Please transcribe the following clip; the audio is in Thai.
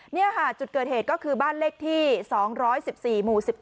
นี่ค่ะจุดเกิดเหตุก็คือบ้านเลขที่๒๑๔หมู่๑๗